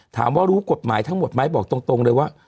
รู้กฎหมายทั้งหมดไหมบอกตรงเลยว่า